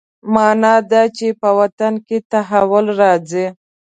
معنا دا چې په باطن کې تحول راځي.